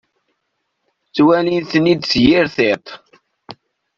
Ttwalin-ten-id s yir tiṭ.